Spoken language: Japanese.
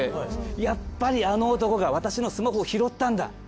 やっぱりあの男が私のスマホを拾ったんだ。